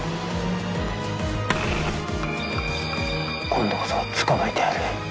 今度こそ捕まえてやる。